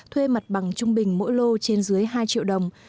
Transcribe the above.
thuê mặt bằng trung bình mỗi lô trên dưới hai triệu đồng